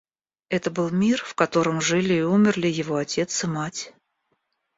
Это был мир, в котором жили и умерли его отец и мать.